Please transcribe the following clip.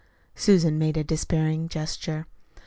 Susan made a despairing gesture.